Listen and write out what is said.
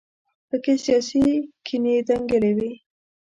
په کې سیاسي کینې دنګلې وي.